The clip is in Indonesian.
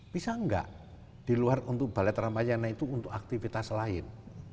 bisa nggak di luar untuk balet ramayana itu untuk aktivitas lain